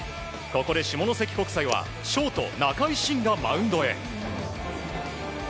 ここで下関国際はショート仲井慎がマウンドへ。